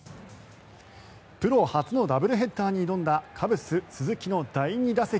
プロ初のダブルヘッダーに挑んだカブス、鈴木の第２打席。